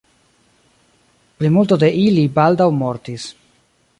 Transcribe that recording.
Plimulto de ili baldaŭ mortis.